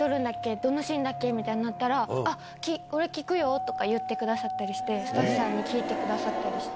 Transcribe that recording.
どのシーンだっけみたいなことになったら、あっ、俺、聞くよとか言ってくださったりして、スタッフさんに聞いてくださったりして。